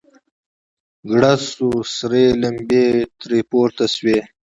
گړز سو سرې لمبې ترې پورته سوې.